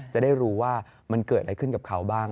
จะได้รู้ว่ามันเกิดอะไรขึ้นกับเขาบ้าง